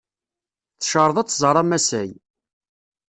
Tecreḍ ad tẓer amasay.